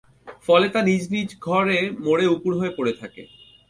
ফলে তা নিজ নিজ ঘরে মরে উপুড় হয়ে পড়ে থাকে।